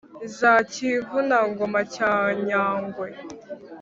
za kivuna-ngoma cya nyangwe